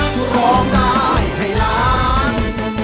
โชคได้ร้อง